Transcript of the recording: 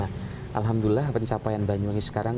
alhamdulillah pencapaian banyuangis sekarang